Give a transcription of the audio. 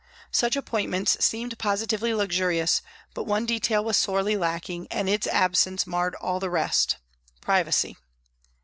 Such appointments seemed positively luxurious, but one detail was sorely lacking, and its absence marred all the rest privacy.